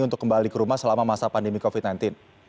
untuk kembali ke rumah selama masa pandemi covid sembilan belas